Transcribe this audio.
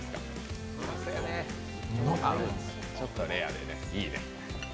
ちょっとレアでいいね。